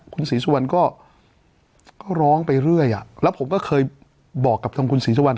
คุณศรีสุวรรณก็ร้องไปเรื่อยแล้วผมก็เคยบอกกับทางคุณศรีสุวรร